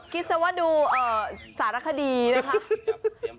คิดว่าดูศาลขดีนะคะ